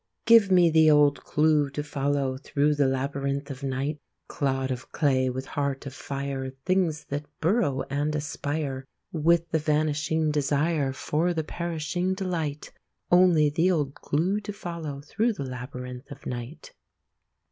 Give me the old clue to follow, Through the labyrinth of night! Clod of clay with heart of fire, Things that burrow and aspire, With the vanishing desire, For the perishing delight, Only the old clue to follow, Through the labyrinth of night!